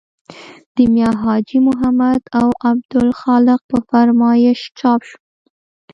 د میا حاجي محمد او عبدالخالق په فرمایش چاپ شو.